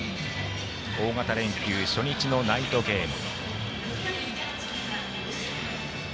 大型連休、初日のナイトゲーム。